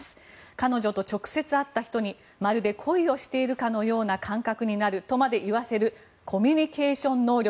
彼女と直接会った人にまるで恋をしているかのような感覚になるとまで言わせるコミュニケーション能力。